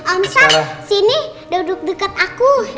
om sal sini duduk dekat aku